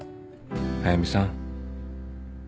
速見さん。